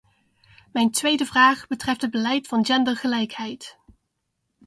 Mijn tweede vraag betreft het beleid van gendergelijkheid.